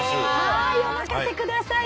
はいお任せください。